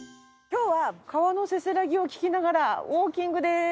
今日は川のせせらぎを聞きながらウォーキングです。